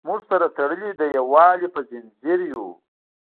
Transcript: موږ سره تړلي د یووالي په زنځیر یو.